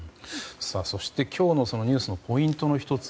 そして今日のニュースのポイントの１つ